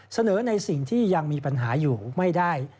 เสนอในสิ่งที่ยังมีปัญหาอยู่ไม่ได้